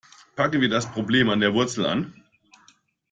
Packen wir das Problem an der Wurzel an.